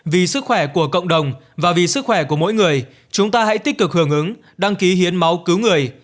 vì sức khỏe của cộng đồng và vì sức khỏe của mỗi người chúng ta hãy tích cực hưởng ứng đăng ký hiến máu cứu người